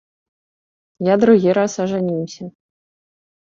Я другi раз ажанiўся.